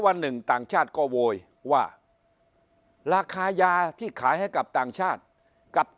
วันหนึ่งต่างชาติก็โวยว่าราคายาที่ขายให้กับต่างชาติกับ